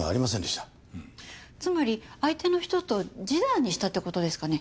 つまり相手の人と示談にしたって事ですかね？